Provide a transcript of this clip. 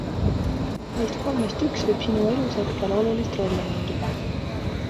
Neist kolmest üks võib sinu elus hetkel olulist rolli mängida.